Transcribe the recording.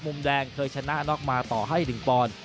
มุมแดงเคยชนะน็อกมาต่อให้๑ปอนด์